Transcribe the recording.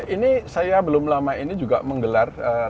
ini saya belum lama ini juga menggelar rapat rapat masyarakat